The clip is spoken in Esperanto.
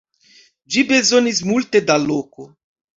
Ĝi bezonis multe da loko.